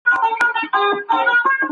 خلګو د خپلو مشرانو ړانده پيروي وکړه.